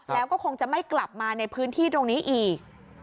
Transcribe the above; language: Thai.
แล้วก็คงจะไม่กลับมาในพื้นที่ตรงนี้อีก